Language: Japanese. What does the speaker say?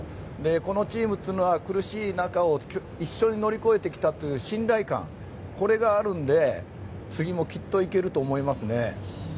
このチームというのは苦しい中を一緒に乗り越えてきたという信頼感があるので、次もきっといけると思いますね。